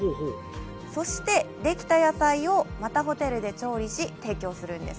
そして、できた野菜をまたホテルで調理し、提供するんです。